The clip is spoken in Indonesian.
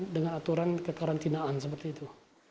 dengan aturan kekarantinaan seperti itu